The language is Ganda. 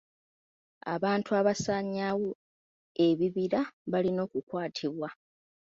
Abantu abasaanyaawo ebibira balina okukwatibwa.